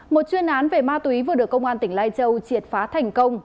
một chuyên án về ma túy vừa được công an tỉnh lai châu triệt phá thành công